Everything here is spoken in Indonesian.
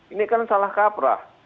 ini kan salah kaprah